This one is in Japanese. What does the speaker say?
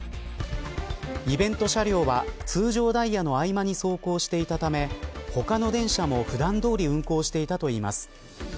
イベント車両は、通常ダイヤの合間に走行していたため他の電車も普段どおり運行していたといいます。